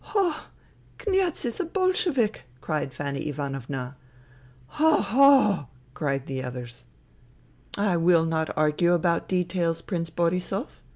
" Ho ! Kniaz is a Bolshevik !" cried Fanny Ivanovna. " Ho ! ho !" cried the others. " I will not argue about details, Prince Borisov.